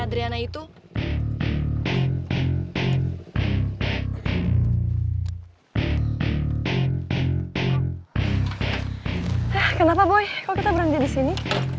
adriana itu kenapa boy kok kita beranggit di sini